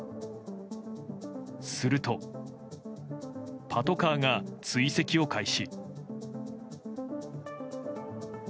すると、パトカーが追跡を開始。